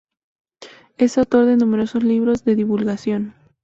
Es autor de numeroso libros de divulgación.